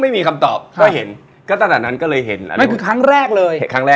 มันคือครั้งแรกเลย